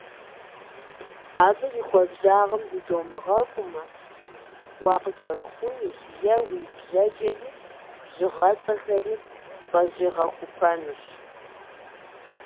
Абы и хуабжьагъым зыдомыгъэкӏумэ, уакъыкӏэрыхунущ е уи бжэкӏэри бжыгъэцӏэхэри пӏэщӏигъэхупэнущ.